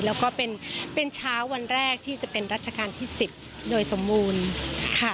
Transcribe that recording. แล้วก็เป็นเช้าวันแรกที่จะเป็นรัชกาลที่๑๐โดยสมบูรณ์ค่ะ